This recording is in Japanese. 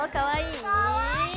かわいい？